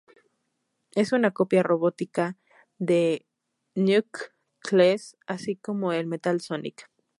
Es una copia robótica de Knuckles, así como Metal Sonic.